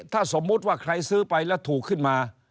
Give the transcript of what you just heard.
ถ้าสมมุติว่าใครซื้อไปแล้วถูกขึ้นมา